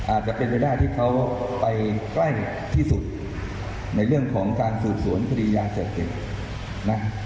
อาจจะเป็นไปได้ที่เขาไปใกล้ที่สุดในเรื่องของการสืบสวนคดียาเสพติดนะ